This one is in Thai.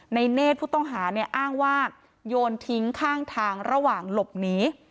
เนธผู้ต้องหาเนี่ยอ้างว่าโยนทิ้งข้างทางระหว่างหลบหนี